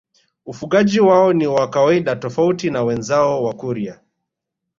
Ufugaji wao ni wa kawaida tofauti na wenzao Wakurya